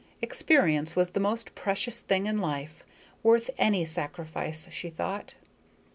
Experience was the most precious thing in life, worth any sacrifice, she thought.